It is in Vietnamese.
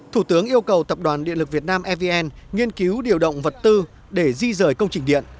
thủ tướng yêu cầu tập đoàn điện lực việt nam evn nghiên cứu điều động vật tư để di rời công trình điện